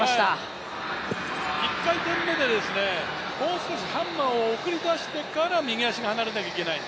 １回転目でもう少しハンマーを送り出してから右足が離れないといけない。